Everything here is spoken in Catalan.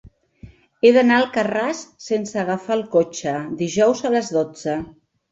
He d'anar a Alcarràs sense agafar el cotxe dijous a les dotze.